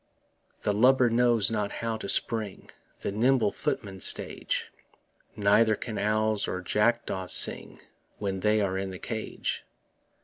The lubber knows not how to spring The nimble footman's stage; Neither can owls or jackdaws sing When they are in the cage.